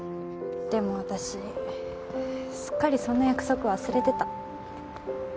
でも私すっかりそんな約束忘れてた。